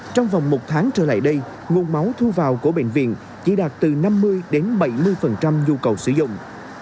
trong vòng một tháng trở lại đây nguồn máu thu vào của bệnh viện chỉ đạt từ năm mươi đến bảy mươi nhu cầu sử dụng